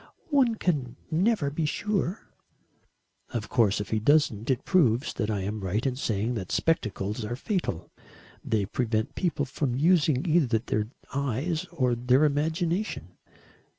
"One can never be sure." "Of course if he doesn't, it proves that I am right in saying that spectacles are fatal. They prevent people from using either their eyes or their imagination.